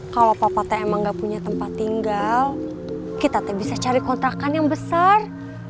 kalau papatnya emang gak punya tempat tinggal kita bisa cari kontrakan yang besar